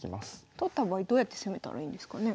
取った場合どうやって攻めたらいいんですかね。